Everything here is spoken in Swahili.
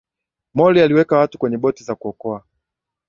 molly aliweka watu kwenye boti za kuokoa